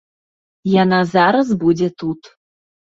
Яна зараз будзе тут.